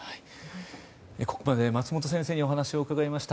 ここまで松本先生にお話を伺いました。